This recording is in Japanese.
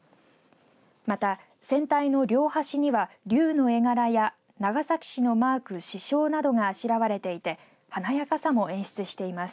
また船体の両端には竜の絵柄や長崎市のマーク市章などがあしらわれていて華やかさも演出しています。